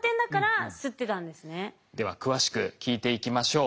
では詳しく聞いていきましょう。